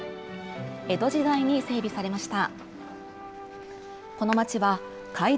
江戸時代に整備されました。